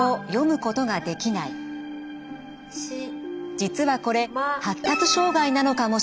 実はこれ発達障害なのかもしれません。